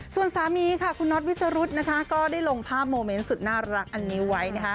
ส่วนสามีค่ะคุณน็อตวิสรุธนะคะก็ได้ลงภาพโมเมนต์สุดน่ารักอันนี้ไว้นะคะ